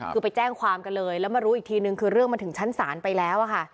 คือไปแจ้งความกันเลยและมารู้อีกทีนึงถึงเรืองมันชั้นศาลไปแล้ว